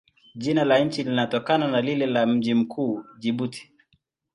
Jina la nchi linatokana na lile la mji mkuu, Jibuti.